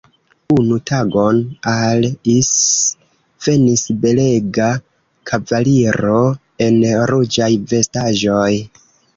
Unu tagon al Is venis belega kavaliro en ruĝaj vestaĵoj.